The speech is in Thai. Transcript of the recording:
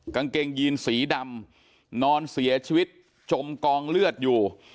กางเกงยีนสีดำนอนเสียชีวิตจมกองเลือดอยู่